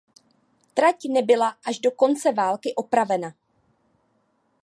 Trať nebyla až do konce války opravena.